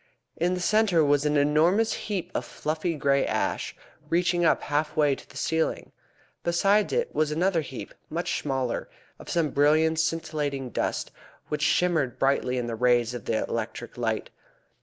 In the centre was an enormous heap of fluffy grey ash, reaching up half way to the ceiling. Beside it was another heap, much smaller, of some brilliant scintillating dust, which shimmered brightly in the rays of the electric light.